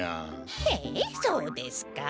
へえそうですか？